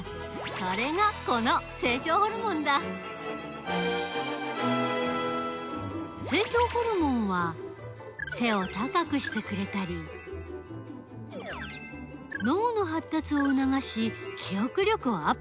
それがこの成長ホルモンだ成長ホルモンは背を高くしてくれたり脳のはったつをうながし記憶力をアップさせたりする。